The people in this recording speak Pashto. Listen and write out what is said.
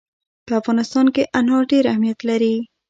په افغانستان کې انار ډېر اهمیت لري.